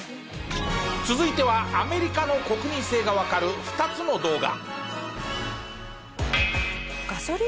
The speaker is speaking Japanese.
続いてはアメリカの国民性がわかる２つの動画。